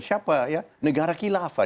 siapa ya negara khilafah